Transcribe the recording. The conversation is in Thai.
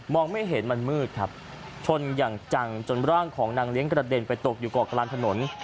ไม่เห็นมันมืดครับชนอย่างจังจนร่างของนางเลี้ยงกระเด็นไปตกอยู่เกาะกลางถนน